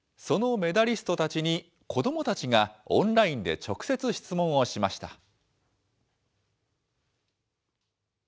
そのメダリストたちに、子どもたちがオンラインで直接質問をしました。